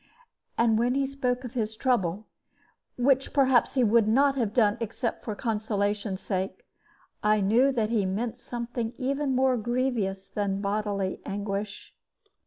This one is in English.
And when he spoke of his own trouble (which, perhaps, he would not have done except for consolation's sake), I knew that he meant something even more grievous than bodily anguish.